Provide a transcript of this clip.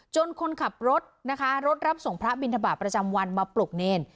คนขับรถนะคะรถรับส่งพระบินทบาทประจำวันมาปลุกเนร